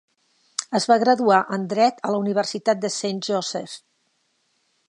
Es va graduar en Dret a la Universitat Saint Joseph.